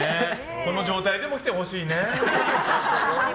この状態でも来てほしいね。